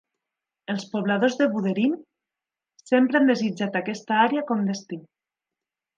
Els pobladors de Buderim sempre han desitjat aquesta àrea com destí.